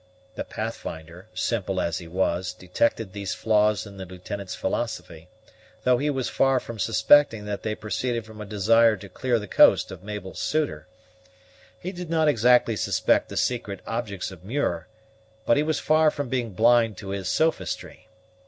The Pathfinder, simple as he was, detected these flaws in the Lieutenant's philosophy, though he was far from suspecting that they proceeded from a desire to clear the coast of Mabel's suitor. He did not exactly suspect the secret objects of Muir, but he was far from being blind to his sophistry.